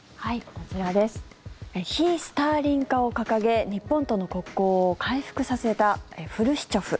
こちら非スターリン化を掲げ日本との国交を回復させたフルシチョフ。